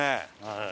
はい。